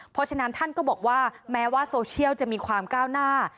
เพราะฉะนั้นท่านก็บอกว่าแม้ว่าโซเชียลจะมีความก้าวหน้า